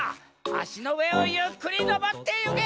あしのうえをゆっくりのぼってゆけ！